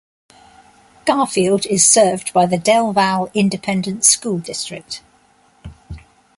Garfield is served by the Del Valle Independent School District.